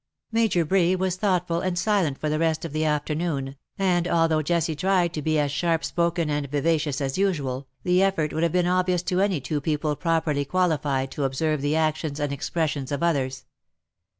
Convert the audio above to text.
'^ Major Bree was thoughtful and silent for the rest of the afternoon, and although Jessie tried to be as sharp spoken and vivacious as usual, the effort would have been obvious to any two people properly qualified to observe the actions and expressions of others.